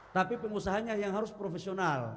tapi pengusahanya yang harus profesional